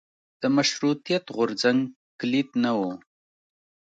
د مشروطیت غورځنګ کلیت نه و.